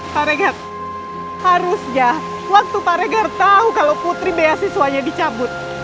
pak regar harusnya waktu pak regar tau kalo putri beasiswanya dicabut